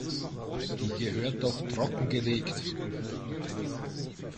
Die gehört doch trocken gelegt.